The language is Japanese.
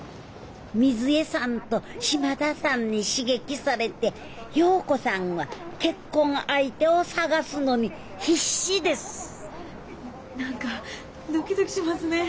みづえさんと島田さんに刺激されて容子さんは結婚相手を探すのに必死です何かドキドキしますね。